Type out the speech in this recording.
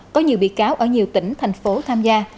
có nhiều bị cáo ở nhiều tỉnh thành phố tham gia